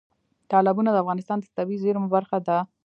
تالابونه د افغانستان د طبیعي زیرمو برخه ده.